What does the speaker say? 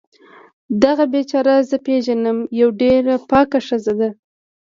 دغه بیچاره زه پیږنم یوه ډیره پاکه ښځه ده